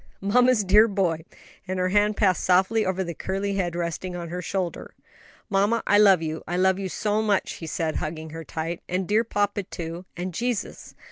'" "Mamma's dear boy," and her hand passed softly over the curly head resting on her shoulder. "Mamma, I love you; I love you so much," he said, hugging her tight; "and dear papa, too; and Jesus.